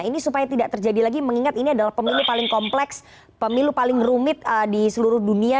ini supaya tidak terjadi lagi mengingat ini adalah pemilu paling kompleks pemilu paling rumit di seluruh dunia